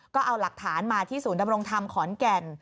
ก็เอาหลักฐานมาที่ศูนย์ดำรงธรรมขอนแก่น